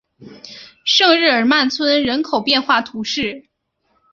圣日耳曼村人口变化图示